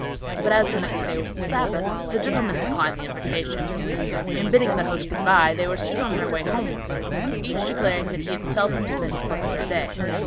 But as the next day was the Sabbath, the gentlemen declined the invitation, and bidding the host "good bye," they were soon on their way homeward, each declaring that he had seldom spent a pleasanter day.